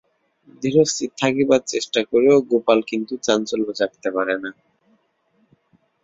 ধীরস্থির থাকিবার চেষ্টা করেও গোপাল কিন্তু চাঞ্চল্য চাপিতে পারে না।